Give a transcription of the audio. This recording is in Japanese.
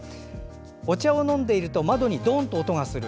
お茶を飲んでいると窓にドンと音がする。